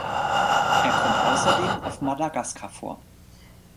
Er kommt außerdem auf Madagaskar vor.